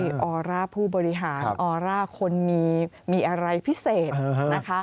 มีออร่าผู้บริหารออร่าคนมีอะไรพิเศษนะคะ